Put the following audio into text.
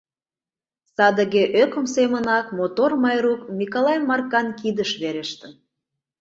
Садыге, ӧкым семынак, мотор Майрук Миколай Маркан кидыш верештын.